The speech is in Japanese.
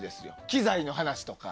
機材の話とか。